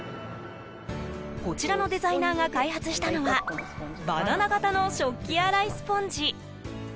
こちらのデザイナーが開発したのはバナナ型の食器洗いスポンジ。